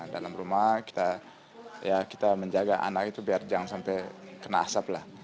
dalam rumah kita menjaga anak itu biar jangan sampai kena asap lah